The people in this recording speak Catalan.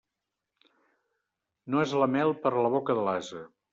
No és la mel per a la boca de l'ase.